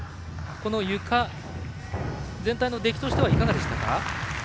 ゆか、全体の出来としてはいかがでしたか？